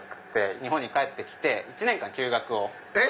日本に帰って来て１年間休学。